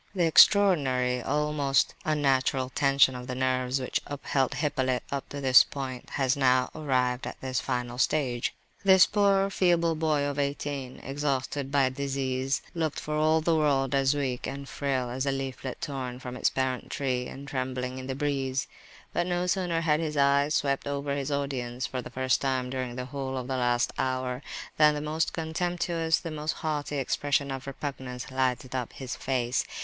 The extraordinary, almost unnatural, tension of the nerves which upheld Hippolyte up to this point, had now arrived at this final stage. This poor feeble boy of eighteen—exhausted by disease—looked for all the world as weak and frail as a leaflet torn from its parent tree and trembling in the breeze; but no sooner had his eye swept over his audience, for the first time during the whole of the last hour, than the most contemptuous, the most haughty expression of repugnance lighted up his face.